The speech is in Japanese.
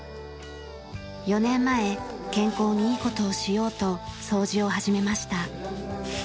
４年前健康にいい事をしようと掃除を始めました。